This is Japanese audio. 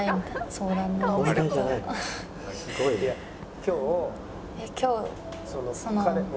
「今日」。